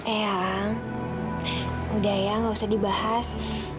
ehang udah ehang gak usah dibahas